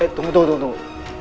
eh tunggu tunggu tunggu